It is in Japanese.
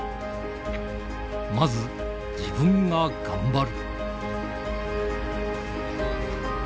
まず自分が頑張る。